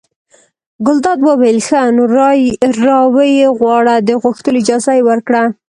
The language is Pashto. ګلداد وویل ښه! نو را ویې غواړه د غوښتلو اجازه یې ورکړه.